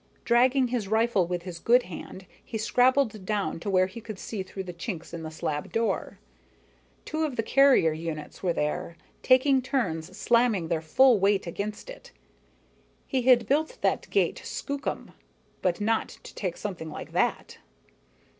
Dragging his rifle with his good hand, he scrabbled down to where he could see through the chinks in the slab door. Two of the carrier units were there, taking turns slamming their full weight against it. He had built that gate skookum, but not to take something like that.